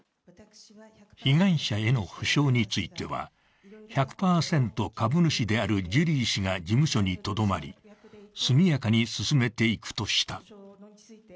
被害者への補償については、１００％株主であるジュリー氏が事務所にとどまり、速やかに進めていくとした。